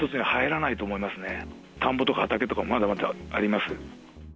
田んぼとか畑とか、まだまだあります。